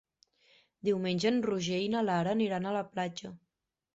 Diumenge en Roger i na Lara aniran a la platja.